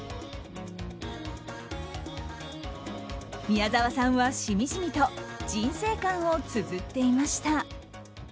宮沢さんは、しみじみと人生観をつづっていました。